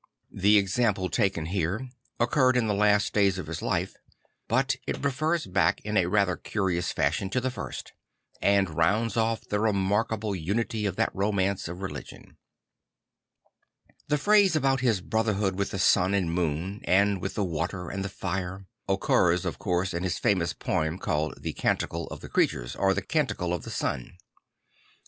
The example taken here occurred in the last days of his life, but it refers back in a fa ther curious fashion to the first; and rounds off the remarkable unity of that romance of religion. The phrase about his brotherhood with the sun and moon, and with the water and the fire, occurs of course in his famous poem called the Canticle of the Creatures or the Canticle of the Sun.